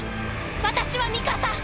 私はミカサ！